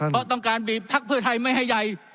เพราะต้องการมีพลักษณะไทยไม่ให้ใหญ่